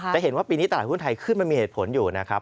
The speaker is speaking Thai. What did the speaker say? จะเห็นว่าปีนี้ตลาดหุ้นไทยขึ้นมันมีเหตุผลอยู่นะครับ